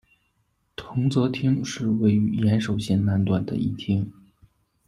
藤泽町是位于岩手县南端的一町。